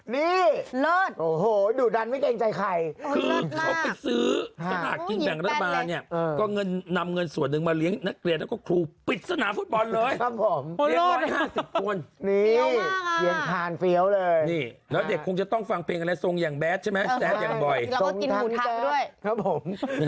นี่เลิศโอ้โหดุดันไม่เกรงใจใครคือเขาไปซื้อสลากกินแบ่งรัฐบาลเนี่ยก็เงินนำเงินส่วนหนึ่งมาเลี้ยงนักเรียนแล้วก็ครูปิดสนามฟุตบอลเลยครับผมเรียก๑๕๐คนนี่เรียนทานเฟี้ยวเลยนี่แล้วเด็กคงจะต้องฟังเพลงอะไรทรงอย่างแดดใช่ไหมแดดอย่างบ่อยด้วยครับผม